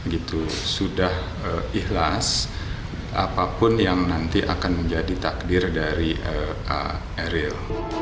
itu sudah ikhlas apapun yang nanti akan menjadi takdir dari eril